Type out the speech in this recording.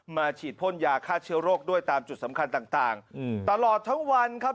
ฉีดพ่นยาฆ่าเชื้อโรคด้วยตามจุดสำคัญต่างต่างอืมตลอดทั้งวันครับ